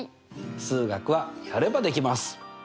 数学はやればできます！